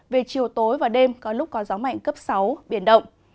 về chiều tối và đêm có lúc có gió mạnh cấp sáu biển động